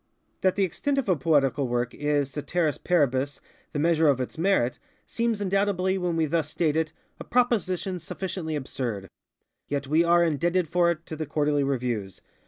That the extent of a poetical work is, _ceteris paribus, _the measure of its merit, seems undoubtedly, when we thus state it, a proposition sufficiently absurdŌĆöyet we are indebted for it to the Quarterly Reviews.